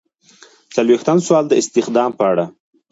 څلویښتم سوال د استخدام په اړه دی.